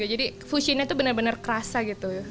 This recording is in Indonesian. jadi fushinya tuh bener bener kerasa gitu